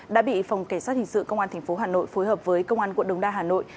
đã bị phòng kỳ sát hình sự công an tp hà nội phối hợp với công an quận đống đa hà nội